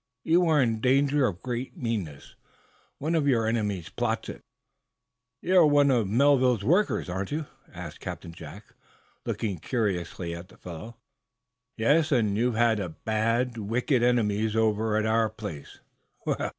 "You are in danger of great meanness. One of your enemies plots it." "You're one of the Melville workmen, aren't you?" asked Captain Jack, looking curiously at the fellow. "Yes, and you have bad, wicked enemies over at our place."